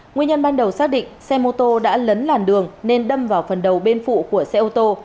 nguyên nhân ban đầu xác định xe mô tô đã lấn làn đường nên đâm vào phần đầu bên phụ của xe ô tô